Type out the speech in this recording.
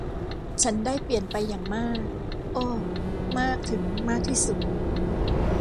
ฉันได้เปลี่ยนไปอย่างมาก โอ้ มากถึงมากที่สุด